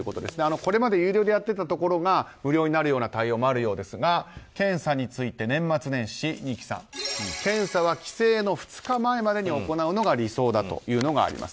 これまで有料でやっていたところが無料になる対応もあるようですが検査について、年末年始二木さん検査は帰省の２日前までに行うのが理想だということです。